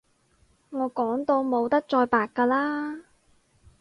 我講到冇得再白㗎喇